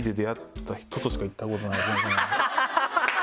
ハハハハ！